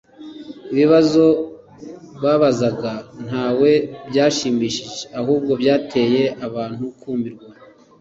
Ibibazo babazaga nta we byashimishije ahubwo byatcye abantu kumirwa,